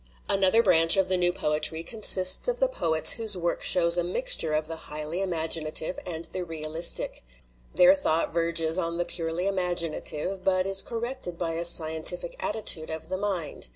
"Another branch of the new poetry consists of the poets whose work shows a mixture of the highly imaginative and the realistic. Then thought verges on the purely imaginative, but is 254 THE NEW SPIRIT IN POETRY corrected by a scientific attitude of mind.